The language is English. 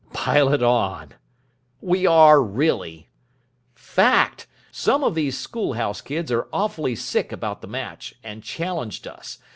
"Pile it on." "We are, really. Fact. Some of these School House kids are awfully sick about the match, and challenged us.